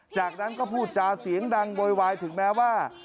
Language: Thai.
จากนั้นก็พูดจาเสียงดังโวยวายถึงแม้ว่า